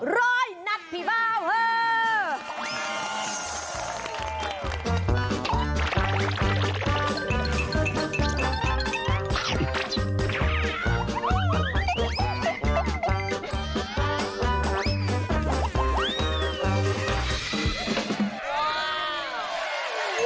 ร้อยนัดพี่เบาเถอะ